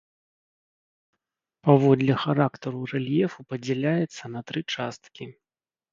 Паводле характару рэльефу падзяляецца на тры часткі.